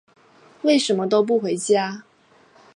为什么都不回家？